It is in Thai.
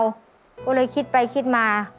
ก็เลยคิดไปคิดมา